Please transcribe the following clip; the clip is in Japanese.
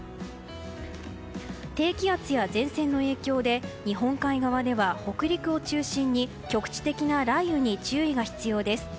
低気圧や前線の影響で日本海側では北陸を中心に局地的な雷雨に注意が必要です。